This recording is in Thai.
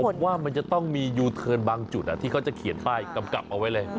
ผมว่ามันจะต้องมียูเทิร์นบางจุดที่เขาจะเขียนป้ายกำกับเอาไว้เลย